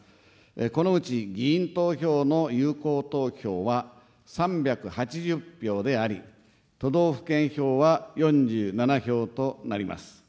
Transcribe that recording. このうち、議員投票の有効投票は３８０票であり、都道府県票は４７票となります。